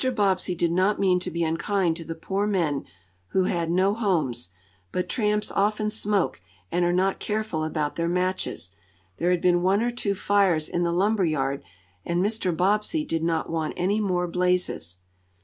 Bobbsey did not mean to be unkind to the poor men who had no homes, but tramps often smoke, and are not careful about their matches. There had been one or two fires in the lumber yard, and Mr. Bobbsey did not want any more blazes.